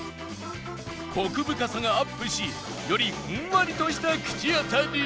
コク深さがアップしよりふんわりとした口当たりに